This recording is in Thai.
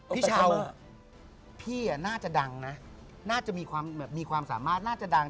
พี่เช้าพี่น่าจะดังนะน่าจะมีความแบบมีความสามารถน่าจะดัง